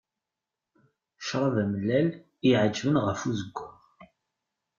Ccrab amellal i y-iεeǧben ɣef uzeggaɣ.